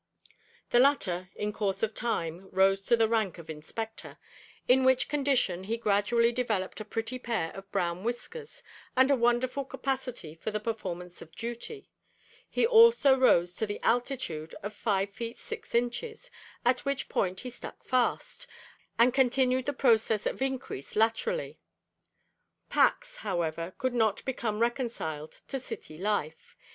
The latter, in course of time, rose to the rank of Inspector, in which condition he gradually developed a pretty pair of brown whiskers and a wonderful capacity for the performance of duty. He also rose to the altitude of five feet six inches, at which point he stuck fast, and continued the process of increase laterally. Pax, however, could not become reconciled to city life.